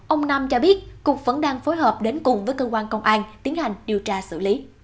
ông nam cho biết cục vẫn đang phối hợp đến cùng với cơ quan công an tiến hành điều tra xử lý